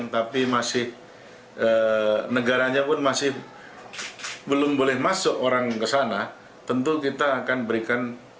tapi masih negaranya pun masih belum boleh masuk orang ke sana tentu kita akan berikan